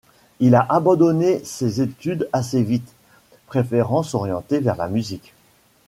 Il a abandonné ses études assez vite, préférant s'orienter vers la musique.